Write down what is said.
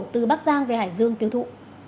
từ bắc giang về hải dương tiêu thụ